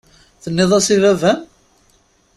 Tenniḍ-as i baba-m?